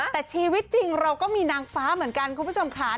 แต่ชีวิตจริงเราก็มีนางฟ้าเหมือนกันคุณผู้ชมค่ะ